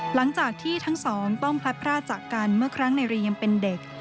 หลังจากที่ทั้งสองต้องพลัดพลาดจากกันเมื่อครั้งในรียังเป็นเด็ก